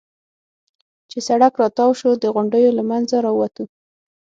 چې سړک را تاو شو، د غونډیو له منځه را ووتو.